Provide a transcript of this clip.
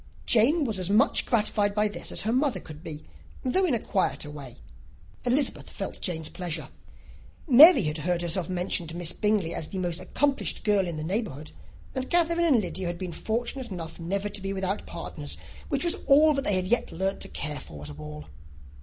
Jane was as much gratified by this as her mother could be, though in a quieter way. Elizabeth felt Jane's pleasure. Mary had heard herself mentioned to Miss Bingley as the most accomplished girl in the neighbourhood; and Catherine and Lydia had been fortunate enough to be never without partners, which was all that they had yet learnt to care for at a ball.